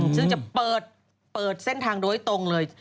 ซึ่งจะเปิดเส้นทางโดยตรงเลย